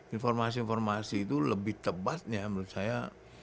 informasi informasi itu lebih tepatnya menurut saya